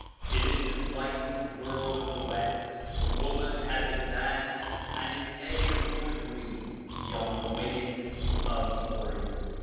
In this enlightened world of the west, woman has ad vanced an immeasurable degree beyond the women of the Orient.